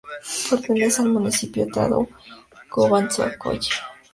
Pertenece al municipio Otrado-Kubánskoye.